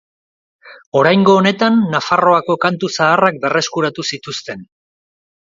Oraingo honetan, Nafarroako kantu zaharrak berreskuratu zituzten.